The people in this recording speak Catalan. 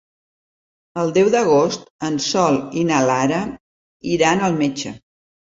El deu d'agost en Sol i na Lara iran al metge.